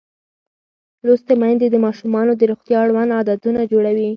لوستې میندې د ماشومانو د روغتیا اړوند عادتونه جوړوي.